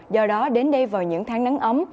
do đó đến đây vào những tháng nắng ấm